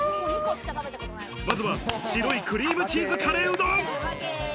まずは、白いクリームチーズカレーうどん。